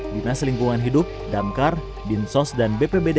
dinas lingkungan hidup damkar binsos dan bpbd